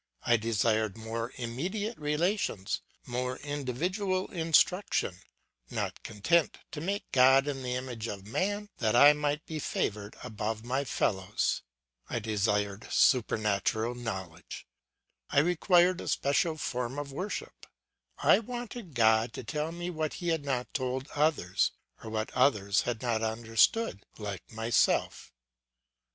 I desired more immediate relations, more individual instruction; not content to make God in the image of man that I might be favoured above my fellows, I desired supernatural knowledge; I required a special form of worship; I wanted God to tell me what he had not told others, or what others had not understood like myself.